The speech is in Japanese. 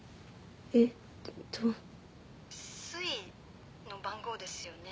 えっとすいの番号ですよね？